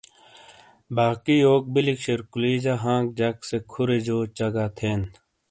باقی یوک بیلک شیرقلی جہ ہانک جک سے کھورے جو چہگا تھین